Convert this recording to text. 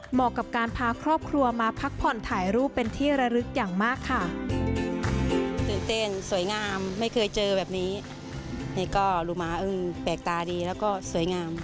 เหมาะกับการพาครอบครัวมาพักผ่อนถ่ายรูปเป็นที่ระลึกอย่างมากค่ะ